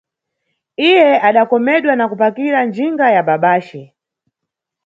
Iye adakomedwa na kupakira njinga ya babace.